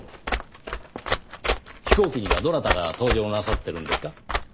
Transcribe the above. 飛行機にはどなたが搭乗なさってるんですか？